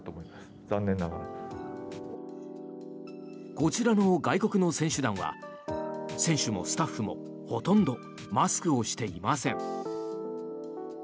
こちらの外国の選手団は選手もスタッフもほとんどマスクをしていません。